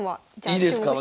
いいですか。